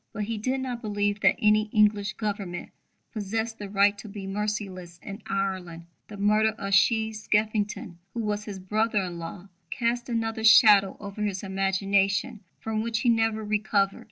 But he did not believe that any English Government possessed the right to be merciless in Ireland. The murder of Sheehy Skeffington, who was his brother in law, cast another shadow over his imagination from which he never recovered.